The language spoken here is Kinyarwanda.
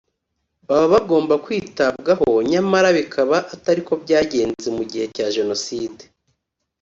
baba bagomba kwitabwaho nyamara bikaba atari ko byagenze mu gihe cya jenoside